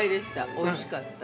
おいしかった。